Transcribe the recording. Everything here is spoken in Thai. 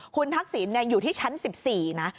คุณทักษิณอยู่ที่ชั้น๑๔นะ